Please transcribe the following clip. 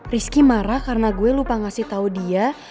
risky marah karena gue lupa ngasih tau dia